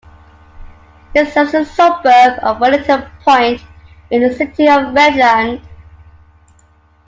It serves the suburb of Wellington Point in the City of Redland.